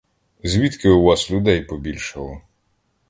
Звідки у вас людей побільшало?